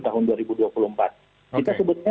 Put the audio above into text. tahun dua ribu dua puluh empat kita sebutnya